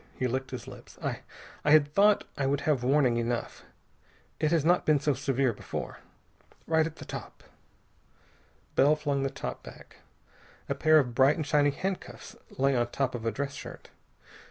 He licked his lips. "I I had thought I would have warning enough. It has not been so severe before. Right at the top...." Bell flung the top back. A pair of bright and shiny handcuffs lay on top of a dress shirt.